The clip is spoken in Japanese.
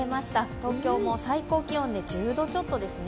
東京も最高気温で１０度ちょっとですね。